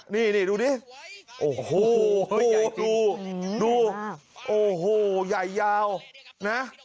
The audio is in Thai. นี่นี่ดูดิโอ้โหโอ้โหดูดูโอ้โหใหญ่ยาวนะ